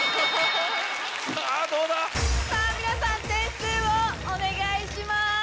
さぁどうだ⁉点数をお願いします。